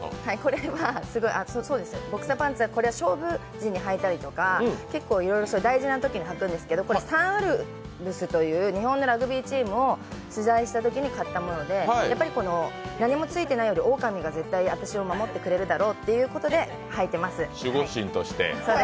これは勝負時に履いたりとか、結構大事なときに履くんですけどサンウルブズという日本のラグビーチームを取材したときに買ったもので、やっぱり何もついてないより、おおかみが私を守ってくれるだろうということではいています。